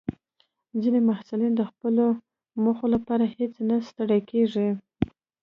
ځینې محصلین د خپلو موخو لپاره هیڅ نه ستړي کېږي.